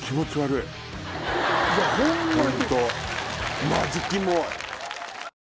いやホンマに！